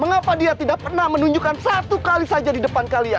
mengapa dia tidak pernah menunjukkan satu kali saja di depan kalian